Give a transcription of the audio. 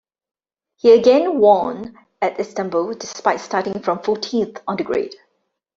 He again won at Istanbul, despite starting from fourteenth on the grid.